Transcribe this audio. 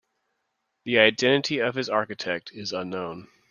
The identity of its architect is unknown.